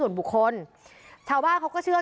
วิทยาลัยศาสตรี